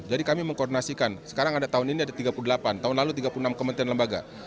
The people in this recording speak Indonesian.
jadi kami mengkoordinasikan sekarang ada tahun ini ada tiga puluh delapan tahun lalu tiga puluh enam kementerian lembaga